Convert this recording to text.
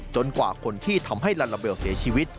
กว่าคนที่ทำให้ลาลาเบลเสียชีวิต